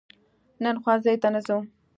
نن ښوونځي ته ځو